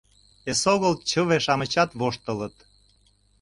Эсогыл чыве-шамычат воштылыт.